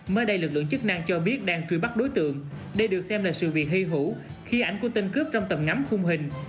mới đây lực lượng chức năng cho biết đang truy bắt đối tượng đây được xem là sự việc hy hữu khi ảnh của tên cướp trong tầm ngắm khung hình